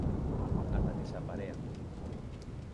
ata que se aparean.